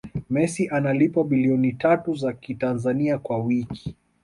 messi analipwa bilioni tatu za kitanzania kwa wiki